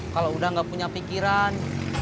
kalau udah gak punya pikiran